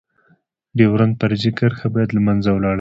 ډيورنډ فرضي کرښه باید لمنځه لاړه شی.